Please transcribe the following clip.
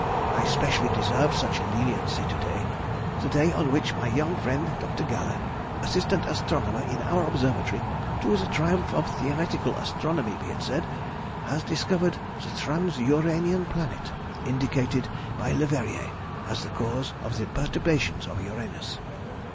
I specially deserve such leniency to day—the day on which my young friend, Dr. Galle, assistant astronomer in our Observatory (to the triumph of theoretical astronomy be it said), has discovered the transuranian planet indicated by Leverrier as the cause of the perturbations of Uranus.